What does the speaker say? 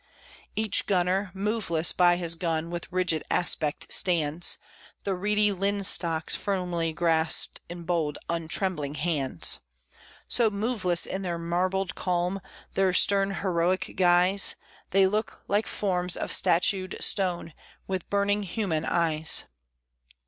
Each gunner, moveless by his gun, with rigid aspect stands, The reedy linstocks firmly grasped in bold, untrembling hands, So moveless in their marbled calm, their stern, heroic guise, They look like forms of statued stone with burning human eyes!